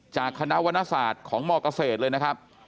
จากคณะวรรณศาสตร์ของมเกษตรเลยนะครับ